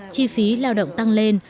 chi phí lao động tăng lên